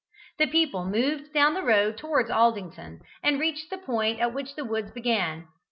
The people moved down the road towards Aldington, and reached the point at which the woods began.